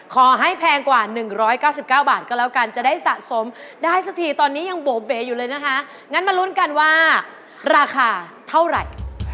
แพงกว่า๑๙๙บาทก็แล้วกันจะได้สะสมได้สักทีตอนนี้ยังโบเบ๋อยู่เลยนะคะงั้นมาลุ้นกันว่าราคาเท่าไหร่